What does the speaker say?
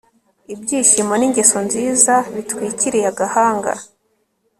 Ibyishimo ningeso nziza bitwikiriye agahanga